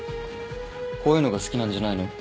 こういうのが好きなんじゃないの？